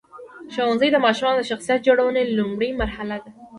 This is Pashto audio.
ښوونځی د ماشومانو د شخصیت جوړونې لومړۍ مرحله ده.